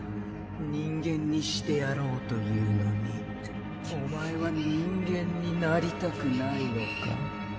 人間にしてやろうというのにお前は人間になりたくないのか？